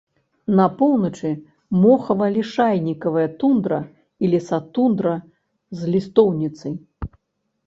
На поўначы мохава-лішайнікавая тундра і лесатундра з лістоўніцай.